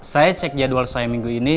saya cek jadwal saya minggu ini